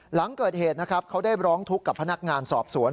หลังเกิดเหตุนะครับเขาได้ร้องทุกข์กับพนักงานสอบสวน